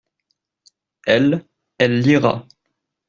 Elle, elle lira.